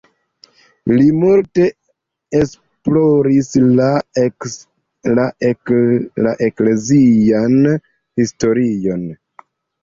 Li multe esploris la eklezian historion.